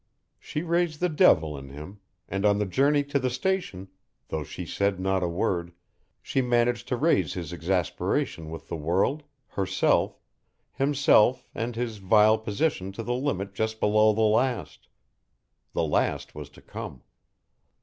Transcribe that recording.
She raised the devil in him, and on the journey to the station, though she said not a word, she managed to raise his exasperation with the world, herself, himself and his vile position to the limit just below the last. The last was to come.